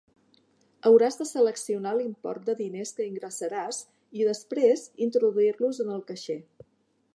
Hauràs de seleccionar l'import de diners que ingressaràs i, després, introduir-los en el caixer.